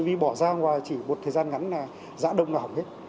vì bỏ ra ngoài chỉ một thời gian ngắn là giã đông vào hết